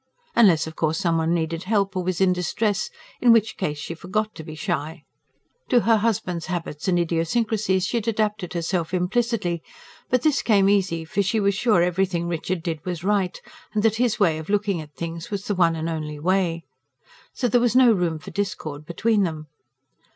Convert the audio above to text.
Unless, of course, some one needed help or was in distress, in which case she forgot to be shy. To her husband's habits and idiosyncrasies she had adapted herself implicitly but this came easy; for she was sure everything Richard did was right, and that his way of looking at things was the one and only way. So there was no room for discord between them.